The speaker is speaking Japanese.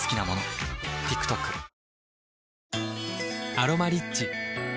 「アロマリッチ」